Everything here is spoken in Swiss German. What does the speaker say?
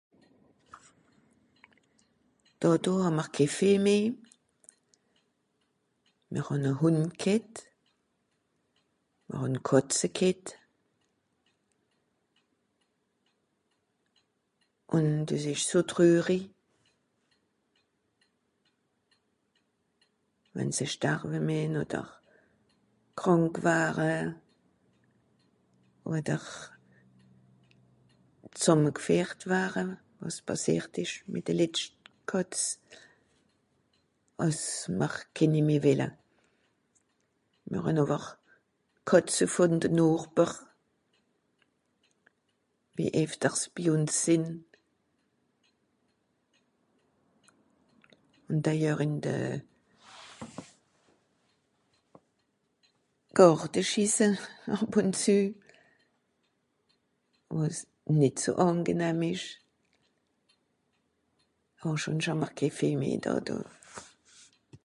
Dàto hà'mr ké Vìeh meh. Mìr hàn e Hùnd ghet. Mìr hàn Kàtze ghet. Ùn dìs ìsch so trüri. Wenn se starwe mìen odder krànk ware odder zàmmegfìehrt ware, wàs pàssìert ìsch mìt de letscht Kàtz, àss mr kééni meh wìlle. Mìr hàn àwer d'Kàtze vùn de Nochber, wie éfters bi ùns sìnn. Ùn d'ailleurs ìn de Gàrte Schisse, àb ùn zü. Wàs nìt so àngenahm ìsch. Àwer schùnsch hàà'mr ke Vìeh meh dàto.